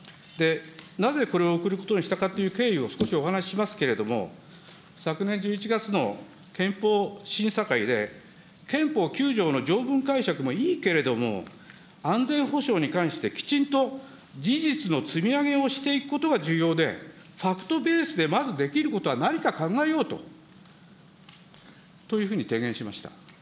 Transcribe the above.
なぜこれを送ることにしたのかという経緯を少しお話しますけれども、昨年１１月の憲法審査会で、憲法９条の条文解釈もいいけれども、安全保障に関して、きちんと事実の積み上げをしていくことが重要で、ファクトベースでまずできることはないか考えようと、というふうに提言しました。